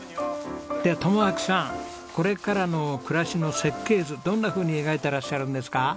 では友晃さんこれからの暮らしの設計図どんなふうに描いてらっしゃるんですか？